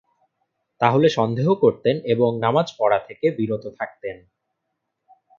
তাহলে সন্দেহ করতেন এবং নামায পড়া থেকে বিরত থাকতেন।